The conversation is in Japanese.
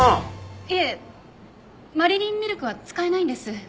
いえマリリンミルクは使えないんです。